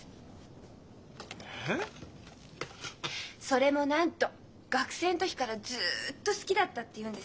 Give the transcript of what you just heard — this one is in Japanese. それもなんと「学生の時からずっと好きだった」っていうんですよ。